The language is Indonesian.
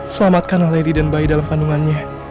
selamatkan lady dan bayi dalam kandungannya